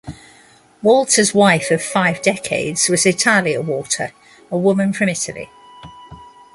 Walter's wife of five decades was Italia Walter, a woman from Italy.